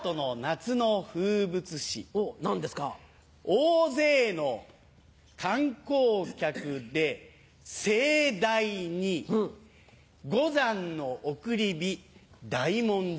大勢の観光客で盛大に五山の送り火大文字。